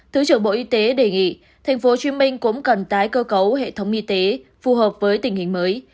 thứ trưởng bộ y tế đề nghị tp hcm cũng cần tái cơ cấu hệ thống y tế phù hợp với tình hình mới